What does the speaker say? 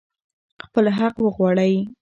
خپل حق وغواړئ.